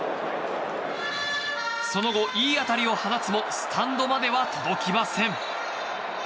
その後、いい当たりを放つもスタンドまでは届きません。